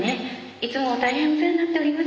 いつも大変お世話になっております。